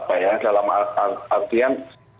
apa ya dalam artian